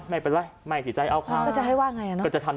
ไม่เป็นไรไม่ถึงใจเอาความก็จะให้ว่าไงอ่ะเนอะก็จะทำ